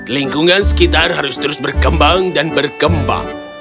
lingkungan sekitar harus terus berkembang dan berkembang